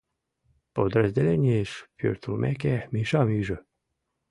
Подразделенийыш пӧртылмеке, Мишам ӱжӧ.